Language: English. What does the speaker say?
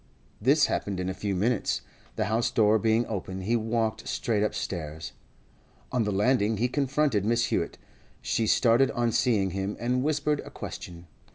This happened in a few minutes. The house door being open, he walked straight upstairs. On the landing he confronted Mrs. Hewett; she started on seeing him, and whispered a question.